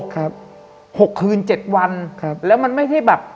๖คืน๗วันแล้วมันไม่ได้แบบ